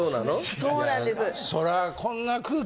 そうなんです。